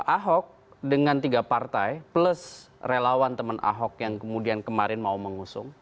ahok dengan tiga partai plus relawan teman ahok yang kemudian kemarin mau mengusung